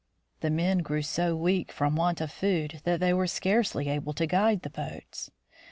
The men grew so weak from want of food that they were scarcely able to guide the boats.